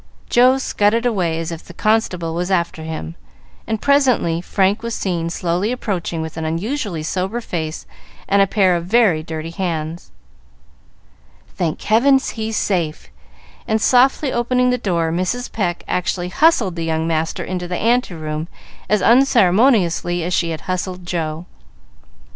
Joe scudded away as if the constable was after him, and presently Frank was seen slowly approaching with an unusually sober face and a pair of very dirty hands. "Thank heaven, he's safe!" and, softly opening the door, Mrs. Pecq actually hustled the young master into the ante room as unceremoniously as she had hustled Joe.